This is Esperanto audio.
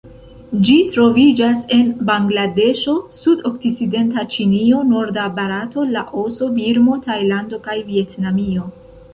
Ĝi troviĝas en Bangladeŝo, sudokcidenta Ĉinio, norda Barato, Laoso, Birmo, Tajlando kaj Vjetnamio.